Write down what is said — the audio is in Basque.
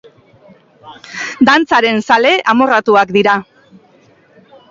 Dantzaren zale amorratuak dira.